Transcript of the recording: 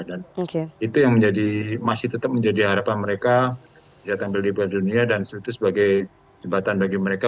dan itu yang masih tetap menjadi harapan mereka bisa tampil di piala dunia dan itu sebagai jembatan bagi mereka